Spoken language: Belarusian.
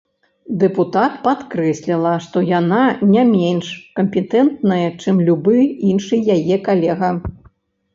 Дэпутат падкрэсліла, што яна не менш кампетэнтная, чым любы іншы яе калега.